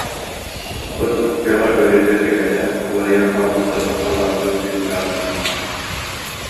От күөҕэ өрүү бэргэһэлээх, кубарыйан хаалбыт сырдык халлаан күөхтүҥү чараас сонноох этэ